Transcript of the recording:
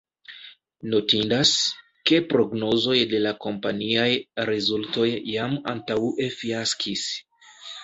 Notindas, ke prognozoj de la kompaniaj rezultoj jam antaŭe fiaskis.